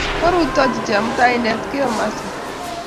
kworutochi chemutai inetkio masil